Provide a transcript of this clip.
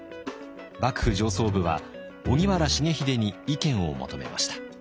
幕府上層部は荻原重秀に意見を求めました。